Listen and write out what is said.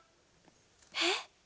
えっ？